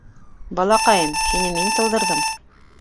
Балаҡайым, һине мин тыуҙырҙым